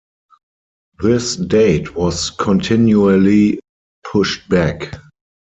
This date was continually pushed back.